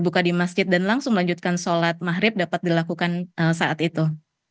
buka di masjid dan langsung melanjutkan sholat maghrib dapat dilakukan saat itu